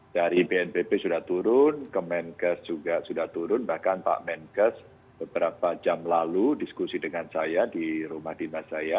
dari bnpb sudah turun ke menkes juga sudah turun bahkan pak menkes beberapa jam lalu diskusi dengan saya di rumah dinas saya